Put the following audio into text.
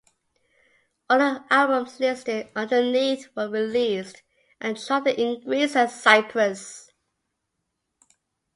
All the albums listed underneath were released and charted in Greece and Cyprus.